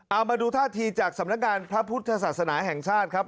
เอามาดูท่าทีจากสำนักงานพระพุทธศาสนาแห่งชาติครับ